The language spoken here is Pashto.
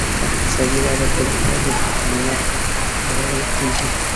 په اقتصادي وده کې د تولید په کمیت خبرې کیږي.